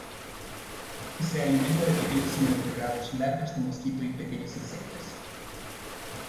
Se alimenta de pequeños invertebrados, larvas de mosquito y pequeños insectos.